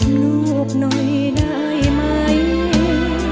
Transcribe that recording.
รูปหน่อยได้ไหม